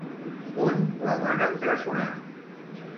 On la van empresonar?